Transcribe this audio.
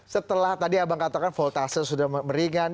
setelah tadi abang katakan voltase sudah meringan